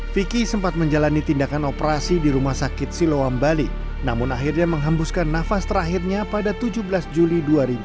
vicky sempat menjalani tindakan operasi di rumah sakit siloam bali namun akhirnya menghembuskan nafas terakhirnya pada tujuh belas juli dua ribu dua puluh